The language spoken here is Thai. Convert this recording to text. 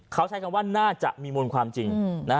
เขาใช้คำว่าน่าจะมีมูลความจริง